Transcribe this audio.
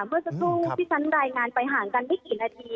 เพื่อสู้พิษันรายงานไปห่างกันไม่กี่นาที